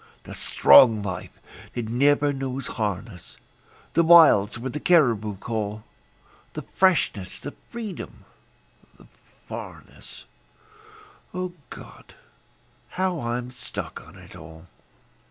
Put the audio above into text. The strong life that never knows harness; The wilds where the caribou call; The freshness, the freedom, the farness O God! how I'm stuck on it all.